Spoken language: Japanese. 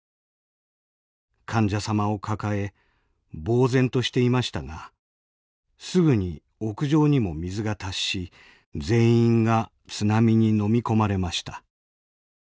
患者様を抱え呆然としていましたがすぐに屋上にも水が達し全員が津波に呑み込まれました」。